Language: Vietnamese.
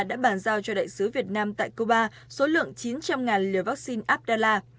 đã bản giao cho đại sứ việt nam tại cuba số lượng chín trăm linh liều vaccine adala